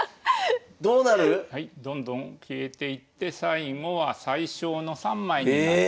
どうなる⁉どんどん消えていって最後は最少の３枚になる。